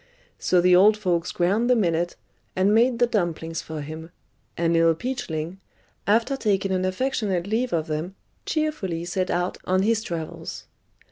So the old folks ground the millet, and made the dumplings for him; and Little Peachling, after taking an affectionate leave of them, cheerfully set out on his travels.